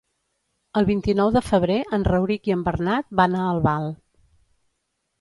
El vint-i-nou de febrer en Rauric i en Bernat van a Albal.